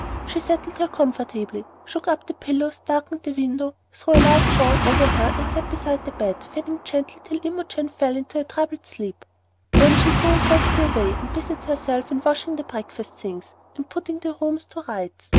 She settled her comfortably, shook up the pillows, darkened the window, threw a light shawl over her, and sat beside the bed fanning gently till Imogen fell into a troubled sleep. Then she stole softly away and busied herself in washing the breakfast things and putting the rooms to rights.